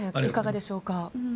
いかがでしょうか。